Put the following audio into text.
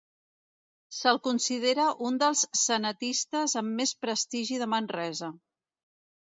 Se'l considera un dels cenetistes amb més prestigi de Manresa.